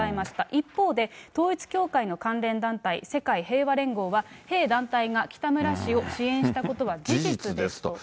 一方で、統一教会の関連団体、世界平和連合は、弊団体が北村氏を支援したことは事実ですと。